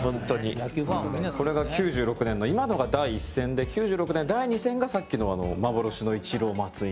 清水：これが９６年の今のが第１戦で９６年、第２戦がさっきの幻の、イチロー、松井。